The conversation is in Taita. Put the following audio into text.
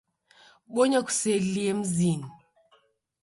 Bonya kuselie mzi.